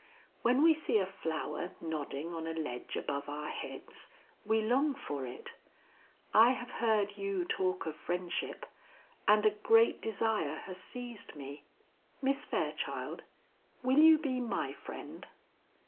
"When we see a flower nodding on a ledge above our heads, we long for it; I have heard you talk of friendship, and a great desire has seized me. Miss Fairchild will you be my friend?"